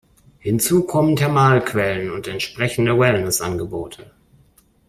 Hinzu kommen Thermalquellen und entsprechende Wellness-Angebote.